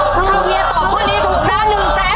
ชาวเวียตอบคำนี้ตุ๊กละ๑แสนบาทได้กลับบ้าน